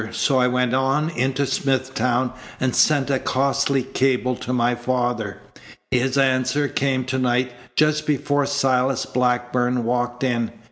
So I went on into Smithtown and sent a costly cable to my father. His answer came to night just before Silas Blackburn walked in.